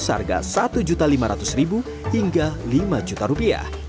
seharga rp satu lima ratus hingga rp lima